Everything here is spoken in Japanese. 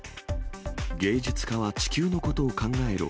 芸術家は地球のことを考えろ。